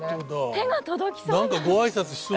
手が届きそうな。